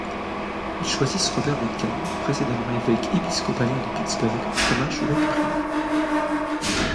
Ils choisissent Robert Duncan, précédemment évêque épiscopalien de Pittsburgh, comme archevêque primat.